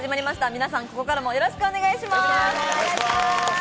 皆さんここからもよろしくお願いします。